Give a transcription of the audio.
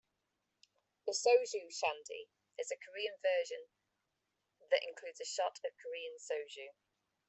The "soju" shandy is a Korean version that includes a shot of Korean "soju".